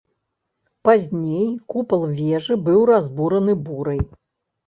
Пазней купал вежы быў разбураны бурай.